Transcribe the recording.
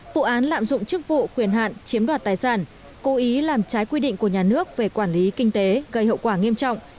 vụ án lạm dụng chức vụ quyền hạn chiếm đoạt tài sản cố ý làm trái quy định của nhà nước về quản lý kinh tế gây hậu quả nghiêm trọng